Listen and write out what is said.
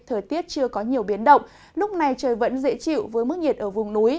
thời tiết chưa có nhiều biến động lúc này trời vẫn dễ chịu với mức nhiệt ở vùng núi